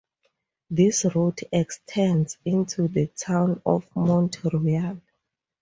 This route extends into the Town of Mount Royal.